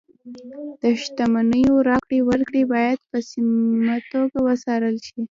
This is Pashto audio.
د شتمنیو راکړې ورکړې باید په سمه توګه وڅارل شي.